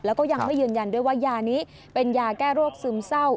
แล้วก็ยังไม่ยืนยันด้วยว่ายานี้เป็นยาแก้โรคซึมเศร้า